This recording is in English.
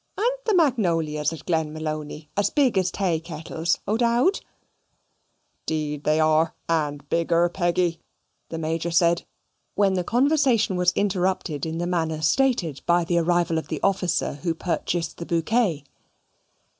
An't the magnolias at Glenmalony as big as taykettles, O'Dowd?" "'Deed then they are, and bigger, Peggy," the Major said. When the conversation was interrupted in the manner stated by the arrival of the officer who purchased the bouquet.